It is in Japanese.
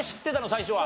最初は。